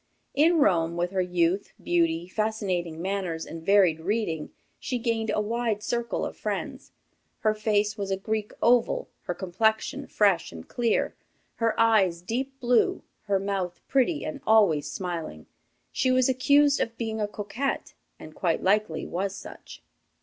In Rome, with her youth, beauty, fascinating manners, and varied reading, she gained a wide circle of friends. Her face was a Greek oval, her complexion fresh and clear, her eyes deep blue, her mouth pretty and always smiling. She was accused of being a coquette, and quite likely was such.